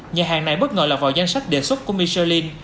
nhà hàng này bất ngờ lọt vào danh sách đề xuất của michelin